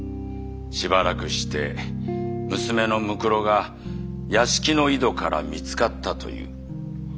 しばらくして娘の骸が屋敷の井戸から見つかったという。